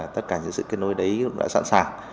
tất cả những sự kết nối đấy cũng đã sẵn sàng